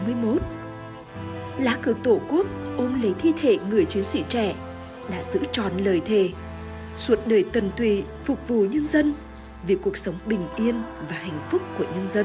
anh ra đi ở tuổi bốn mươi một lá cờ tổ quốc ôm lấy thi thể người chiến sĩ trẻ đã giữ tròn lời thề suốt đời tần tùy phục vụ nhân dân vì cuộc sống bình yên và hạnh phúc của nhân dân